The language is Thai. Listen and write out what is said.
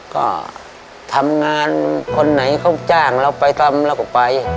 ก็ทำงานคนไหนเขาจ้างเราไปทำเราก็ไป